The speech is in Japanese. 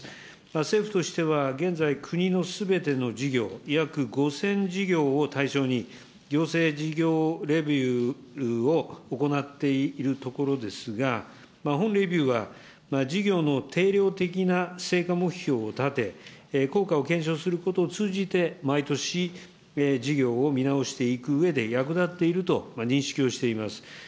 政府としては現在、国のすべての事業約５０００事業を対象に、行政事業レビューを行っているところですが、本レビューは、事業の定量的な成果目標を立て、効果を検証することを通じて、毎年、事業を見直していくうえで役立っていると認識をしています。